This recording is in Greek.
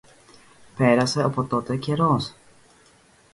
Πέρασε από τότε καιρός